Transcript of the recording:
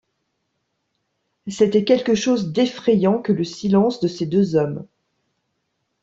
C’était quelque chose d’effrayant que le silence de ces deux hommes.